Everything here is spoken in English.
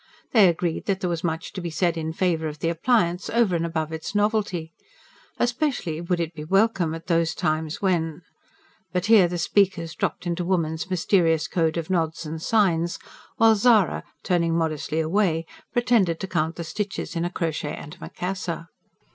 They agreed that there was much to be said in favour of the appliance, over and above its novelty. Especially would it be welcome at those times when... But here the speakers dropped into woman's mysterious code of nods and signs; while Zara, turning modestly away, pretended to count the stitches in a crochet antimacassar.